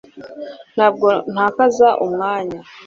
ntabwo ntakaza umwanya